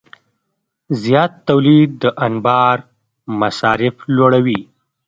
زیات تولید د انبار مصارف لوړوي.